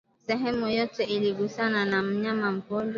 sehemu yoyote iliyogusana na mnyama mgonjwa